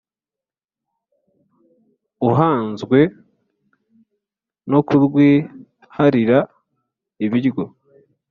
uhanzwe no kurwiharira ibiryo